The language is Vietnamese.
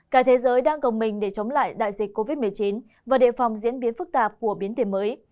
cả thế giới đang gồng mình để chống lại đại dịch covid một mươi chín và đề phòng diễn biến phức tạp của biến thể mới